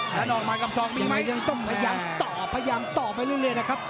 ท่านออกมากับซองมีไหมยังต้องพยายามต่อพยายามต่อไปเรื่อยนะครับ